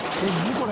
これ。